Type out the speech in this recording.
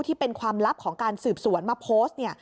ที่เป็นความลับของการสืบสวนมาโพสต์เนี่ย